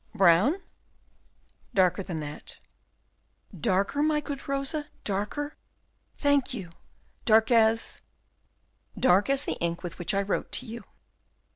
"Brown?" "Darker than that." "Darker, my good Rosa, darker? Thank you. Dark as " "Dark as the ink with which I wrote to you."